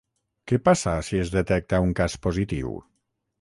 Què passa si es detecta un cas positiu?